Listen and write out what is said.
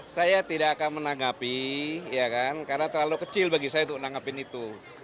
saya tidak akan menanggapi karena terlalu kecil bagi saya untuk menanggapin itu